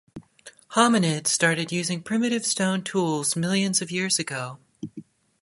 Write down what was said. Hominids started using primitive stone tools millions of years ago.